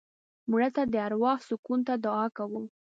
مړه ته د اروا سکون ته دعا کوو